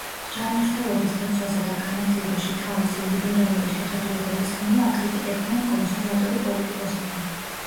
ჯანმრთელობის დაცვასა და განათლებაში თავისი ლიბერალური შეხედულებების გამო აკრიტიკებდნენ კონსერვატორი პოლიტიკოსები.